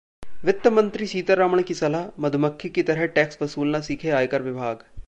वित्त मंत्री सीतारमण की सलाह- मधुमक्खी की तरह टैक्स वसूलना सीखे आयकर विभाग